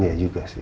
iya juga sih